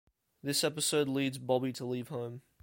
This episode leads Bobby to leave home.